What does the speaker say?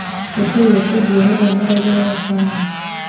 Hoteri yateguwe nubuhanga bwabayapani.